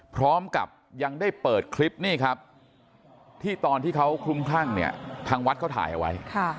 พร้อมกับยังได้เปิดคลิปที่ตอนที่เขาคลุมข้างทางวัดเขาถ่ายไว้